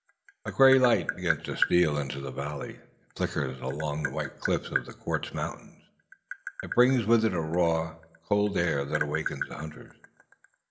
A grey light begins to steal into the valley. It flickers along the white cliffs of the quartz mountain. It brings with it a raw, cold air that awakens the hunters.